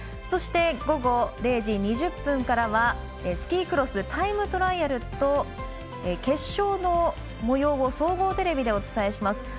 そして、午後０時２０分からはスキークロスタイムトライアルと決勝のもようを総合テレビでお伝えします。